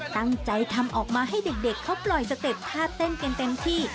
ตั้งใจทำออกมาให้เด็กเขาปล่อยสเต็ปท่าเต้นกันเต็มที่